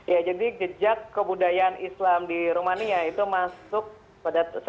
ya jadi jejak kebudayaan islam di rumania itu masuk pada